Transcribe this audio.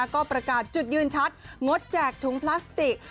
ก็ประกาศจุดยืนชัดงดแจกถุงพลาสติก